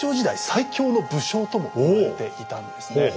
最強の武将とも言われていたんですね。